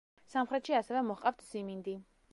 სამხრეთში ასევე მოჰყავთ სიმინდი.